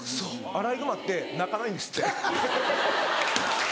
アライグマって鳴かないんですって。